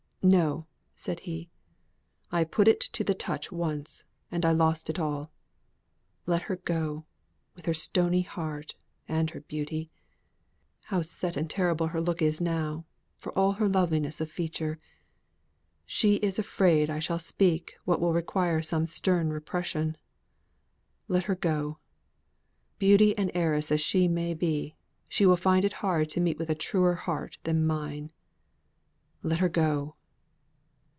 "No!" said he, "I put it to the touch once, and I lost it all. Let her go, with her stony heart, and her beauty; how set and terrible her look is now, for all her loveliness of feature! She is afraid I shall speak what will require some stern repression. Let her go. Beauty and heiress as she may be, she will find it hard to meet with a truer heart than mine. Let her go!"